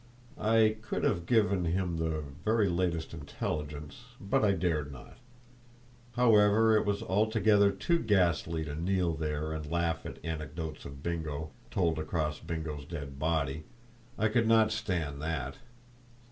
I could have given him the very latest intelligence, but I dared not. However, it was altogether too ghastly to kneel there and laugh at anecdotes of Bingo told across Bingo's dead body; I could not stand that.